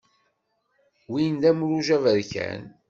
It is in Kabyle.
Win d amruj aberkan.